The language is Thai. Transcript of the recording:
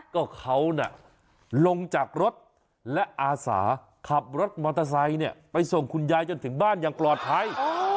ก็เขาน่ะลงจากรถและอาสาขับรถมอเตอร์ไซค์ไปส่งคุณยายจนถึงบ้านอย่างปลอดภัย